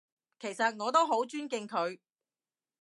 其實我都好尊敬佢